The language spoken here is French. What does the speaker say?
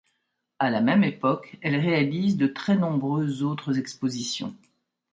À la même époque elle réalise de très nombreuses autres expositions.